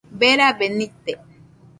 Berabe nite